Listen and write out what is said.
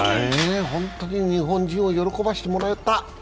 本当に日本人を喜ばせてもらえた。